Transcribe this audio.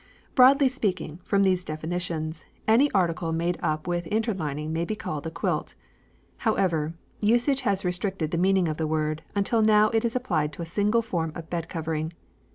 Broadly speaking, from these definitions, any article made up with an interlining may be called a quilt. However, usage has restricted the meaning of the word until now it is applied to a single form of bed covering.